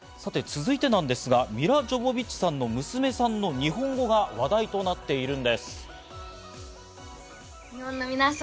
続いてなんですが、ミラ・ジョヴォヴィッチさんの娘の日本語が話題となっているんです。